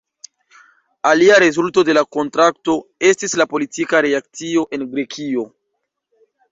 Alia rezulto de la kontrakto estis la politika reakcio en Grekio.